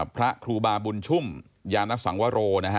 พระครูบาบุญชุ่มยานสังวโรนะฮะ